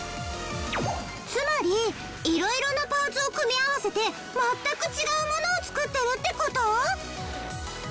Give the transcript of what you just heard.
つまり色々なパーツを組み合わせて全く違うものを作ってるって事！？